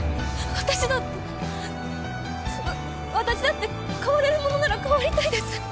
私だってわ私だって変われるものなら変わりたいです。